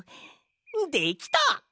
できた！